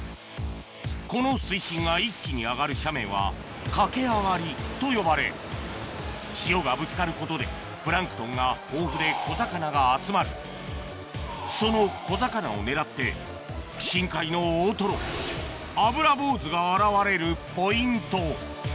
この水深が一気に上がる斜面はと呼ばれ潮がぶつかることでプランクトンが豊富で小魚が集まるその小魚を狙って深海の大トロアブラボウズが現れるポイント